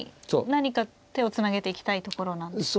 何か手をつなげていきたいところなんですね。